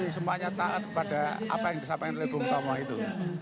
semuanya taat pada apa yang disampaikan oleh bung tomo itu